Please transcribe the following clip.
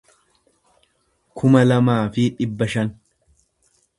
kuma lamaa fi dhibba shan